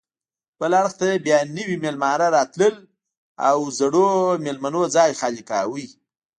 بل اړخ ته بیا نوي میلمانه راتلل او زړو میلمنو ځای خالي کاوه.